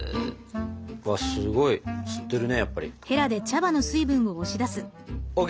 うわすごい吸ってるねやっぱり。ＯＫ！